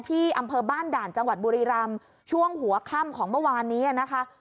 อำเภอบ้านด่านจังหวัดบุรีรำช่วงหัวค่ำของเมื่อวานนี้นะคะ